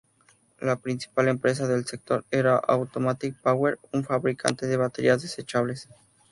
La principal empresa del sector era "Automatic Power", un fabricante de baterías desechables.